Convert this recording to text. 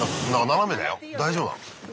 斜めだよ大丈夫なの？